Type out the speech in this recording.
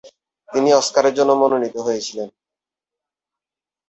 তিনি অস্কারের জন্য মনোনীত হয়েছিলেন।